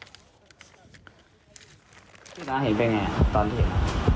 พี่น้าเห็นเป็นไงครับตอนที่เห็น